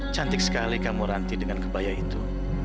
cantik sekali kamu ranti dengan kebaya itu